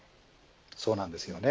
そうなんですよね。